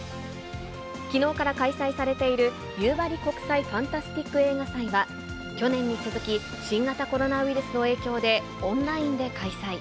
きのうから開催されている、ゆうばり国際ファンタスティック映画祭は、去年に続き、新型コロナウイルスの影響で、オンラインで開催。